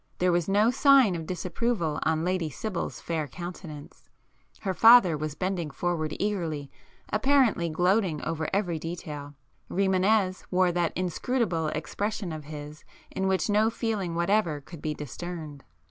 There was no sign of disapproval on Lady Sibyl's fair countenance,—her father was bending forward eagerly, apparently gloating over every detail,—Rimânez wore that inscrutable expression of his in which no feeling whatever could be discerned.